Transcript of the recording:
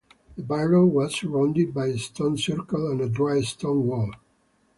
The barrow was surrounded by a stone circle and a dry stone wall.